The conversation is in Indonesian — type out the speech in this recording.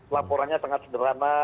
laporannya sangat sederhana